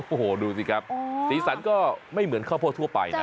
โอ้โหดูสิครับสีสันก็ไม่เหมือนข้าวโพดทั่วไปนะ